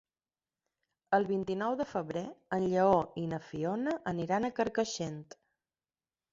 El vint-i-nou de febrer en Lleó i na Fiona aniran a Carcaixent.